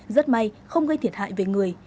rất may không gây thiệt hại về người